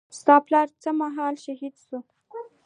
ستا پلار څه مهال شهيد سو.